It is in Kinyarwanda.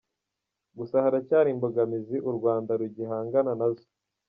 Gusa haracyari imbogamizi u Rwanda rugihangana nazo.